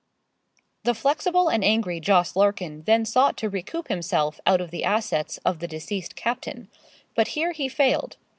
The flexible and angry Jos. Larkin then sought to recoup himself out of the assets of the deceased captain; but here he failed.